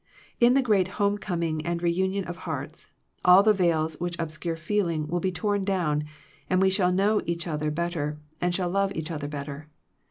In the great Home coming and Reunion of hearts, all the veils which obscure feeling will be torn down, and we shall know each other better, and shall love each other better.